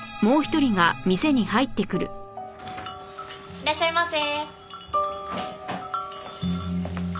いらっしゃいませ。